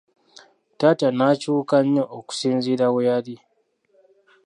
Taata n'akyuka nnyo okusinziira we yali.